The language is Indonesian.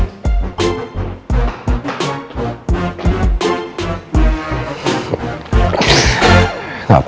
manja banget lo